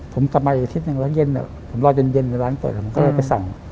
ผมตามไปอาทิตย์นึงนะร้านเกิดก็เลยไปสั่ง